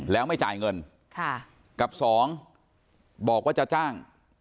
แล้วไม่จ่ายเงินกับสองบอกว่าจะจ้าง